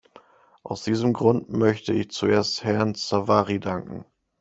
Aus diesem Grund möchte ich zuerst Herrn Savary danken.